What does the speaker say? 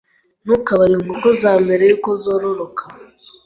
Ntukabare inkoko zawe mbere yuko zororoka.